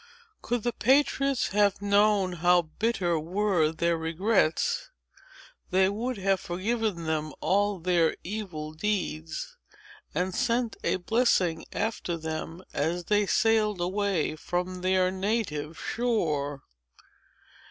Could the patriots have known how bitter were their regrets, they would have forgiven them all their evil deeds, and sent a blessing after them as they sailed away from their native shore."